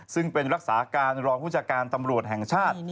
ซึ่งเป็นรักษาการรองผู้จัดการตำรวจแห่งชาติ